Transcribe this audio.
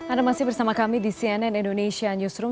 anda masih bersama kami di cnn indonesia newsroom